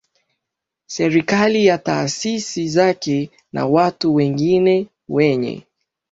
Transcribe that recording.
serikali na Taasisi zake na watu wengine wenye